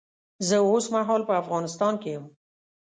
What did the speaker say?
زه اوس مهال په افغانستان کې یم